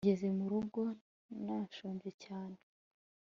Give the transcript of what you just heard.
Nageze mu rugo nashonje cyane